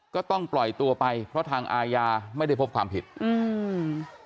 ก็ต้องปล่อยตัวไปเพราะทางอาญาไม่ได้พบความผิดอืม